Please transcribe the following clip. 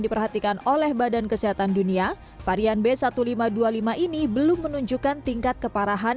diperhatikan oleh badan kesehatan dunia varian b seribu lima ratus dua puluh lima ini belum menunjukkan tingkat keparahan